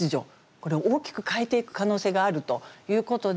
これ大きく変えていく可能性があるということで。